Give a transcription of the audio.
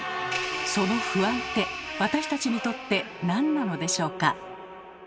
その不安って私たちにとって何なのでしょうか？